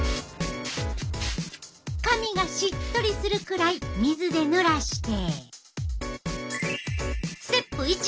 髪がしっとりするくらい水でぬらして。